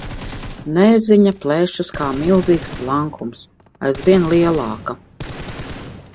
Neziņa plešas kā milzīgs plankums, aizvien lielāka.